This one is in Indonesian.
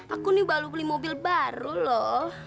aku nih baru beli mobil baru loh